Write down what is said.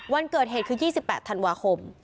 วันเกิดเหตุคือ๒๘ธันวาคม